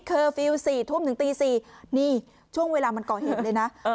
เคอร์ฟิวสี่ทุ่มถึงตีสี่นี่ช่วงเวลามันเกาะเห็นเลยนะเอ่อ